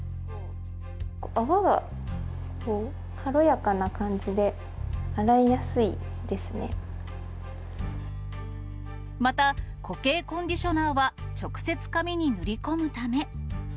泡が軽やかな感じで、洗いやまた、固形コンディショナーは、直接、髪に塗り込むため。